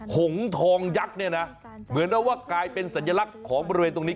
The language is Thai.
หงทองยักษ์เนี่ยนะเหมือนเอาว่ากลายเป็นสัญลักษณ์ของบริเวณตรงนี้